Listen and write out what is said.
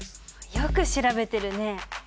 よく調べてるね。